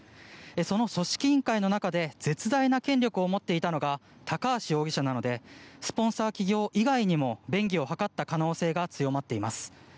その組織委員会の中で絶大な権力を持っていたのが高橋容疑者なのでスポンサー企業以外にも便宜を図った可能性が強まっています。